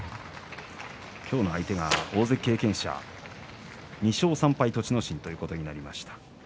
今日の相手が大関経験者２勝３敗の栃ノ心ということになりました。